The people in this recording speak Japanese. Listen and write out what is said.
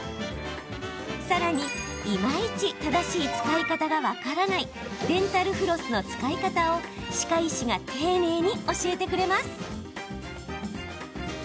さらに、いまいち正しい使い方が分からないデンタルフロスの使い方を歯科医師が丁寧に教えてくれます。